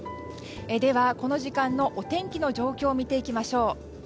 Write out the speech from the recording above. では、この時間のお天気の状況を見ていきましょう。